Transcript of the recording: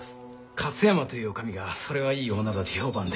勝山という女将がそれはいい女だと評判で。